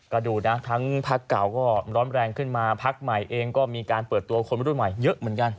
ก็ดูนะทั้งพักเก่าก็ร้อนแรงขึ้นมาพักใหม่เองก็มีการเปิดตัวคนรุ่นใหม่เยอะเหมือนกัน